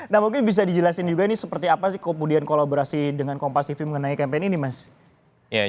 nah mungkin bisa dijelasin juga ini seperti apa sih kemudian kolaborasi dengan kompas tv mengenai campaign ini mas